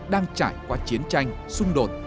đang trải qua chiến tranh xung đột